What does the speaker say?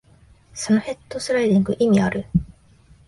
そのヘッドスライディング、意味ある？